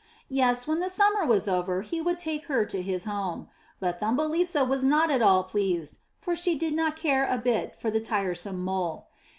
Yes, when the summer was over he would take her to his home. But Thumbelisa was not at all pleased, for she did not care a bit for the tiresome Mole.